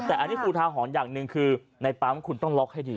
แต่อันนี้ฟูทาหอนอย่างหนึ่งคือในปั๊มคุณต้องล็อกให้ดีอ๋อ